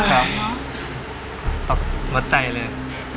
ตอบใจเลย